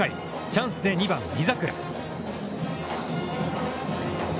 チャンスで、２番井桜。